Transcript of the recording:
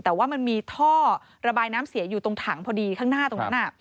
แต่ว่ามันมีท่อระบายน้ำเสียอยู่ตรงถังพอดีข้างหน้าตรงนั้น